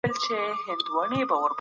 هڅونه وکړئ.